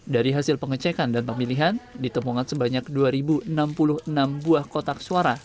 dari hasil pengecekan dan pemilihan ditemukan sebanyak dua enam puluh enam buah kotak suara